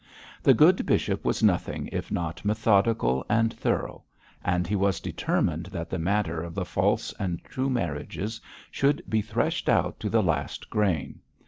The good bishop was nothing if not methodical and thorough; and he was determined that the matter of the false and true marriages should be threshed out to the last grain.